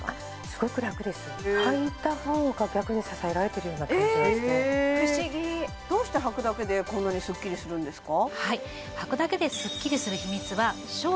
すごく楽ですはいた方が逆に支えられてるような感じがしてどうしてはくだけでこんなにスッキリするんですか？